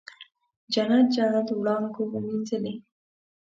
جنت، جنت وړانګو مینځلې